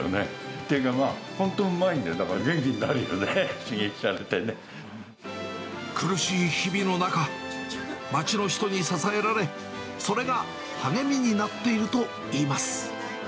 っていうか、本当にうまいんだよ、だから苦しい日々の中、街の人に支えられ、それが励みになっているといいます。